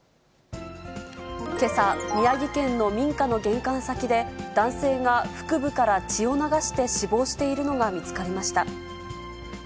けさ、宮城県の民家の玄関先で、男性が腹部から血を流して死亡しているのが見つかりました。